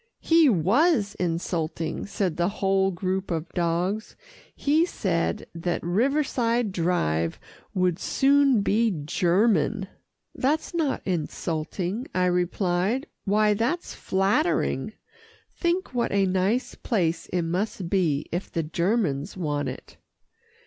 "He was insulting," said the whole group of dogs. "He said that Riverside Drive would soon be German." "That's not insulting," I replied, "why, that's flattering. Think what a nice place it must be, if the Germans want it."